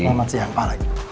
selamat siang pak lex